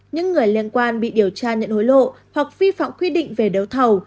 những người liên quan bị điều tra nhận hối lộ hoặc vi phạm quy định về đấu thầu